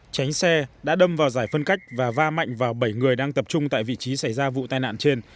tránh xe đã đâm vào giải phân cách và va mạnh vào bảy người đang tập trung tại vị trí xảy ra vụ tai nạn trên